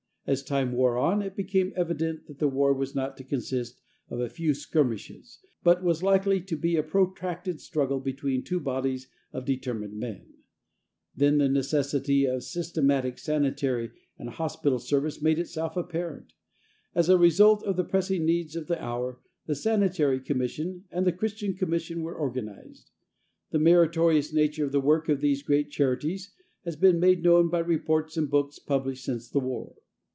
As time wore on, it became evident that the war was not to consist of a few skirmishes, but was likely to be a protracted struggle between two bodies of determined men. Then the necessity of a systematic sanitary and hospital service made itself apparent. As a result of the pressing needs of the hour the Sanitary Commission and the Christian Commission were organized. The meritorious nature of the work of these great charities has been made known by reports and books published since the war.